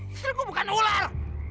istriku bukan ular